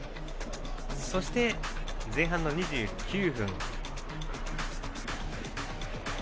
そして前半の２９分。